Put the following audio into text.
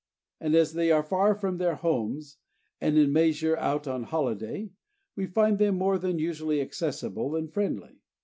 And as they are far from their own homes, and in measure out on holiday, we find them more than usually accessible and friendly.